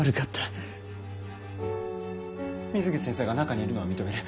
水口先生が中にいるのは認める。